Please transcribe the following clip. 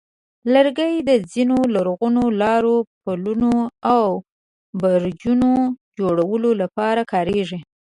لرګي د ځینو لرغونو لارو، پلونو، او برجونو جوړولو لپاره کارېږي.